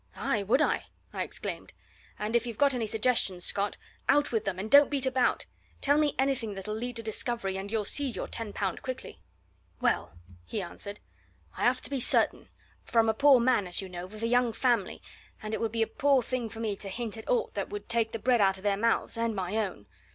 "Aye, would I!" I exclaimed. "And if you've got any suggestions, Scott, out with them, and don't beat about! Tell me anything that'll lead to discovery, and you'll see your ten pound quickly." "Well," he answered, "I have to be certain, for I'm a poor man, as you know, with a young family, and it would be a poor thing for me to hint at aught that would take the bread out of their mouths and my own.